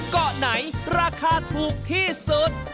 เกาะไหนราคาถูกที่สุด